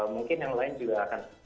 mungkin yang lain juga akan